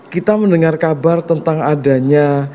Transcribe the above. kita mendengar kabar tentang adanya